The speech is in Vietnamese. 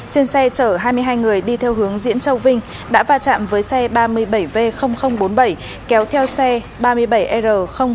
trên xe chở hai mươi hai người đi theo hướng diễn châu vinh đã va chạm với xe ba mươi bảy v bốn mươi bảy kéo theo xe ba mươi bảy r một